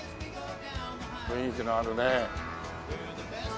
雰囲気のあるね。